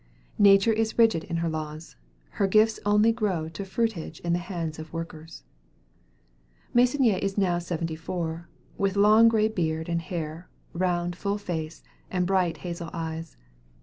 Nature is rigid in her laws. Her gifts only grow to fruitage in the hands of workers. Meissonier is now seventy four, with long gray beard and hair, round, full face, and bright hazel eyes.